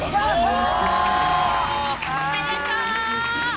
おめでとう！